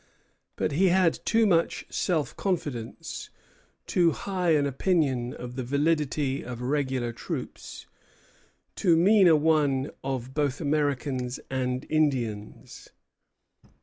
But he had too much self confidence; too high an opinion of the validity of regular troops; too mean a one of both Americans and Indians."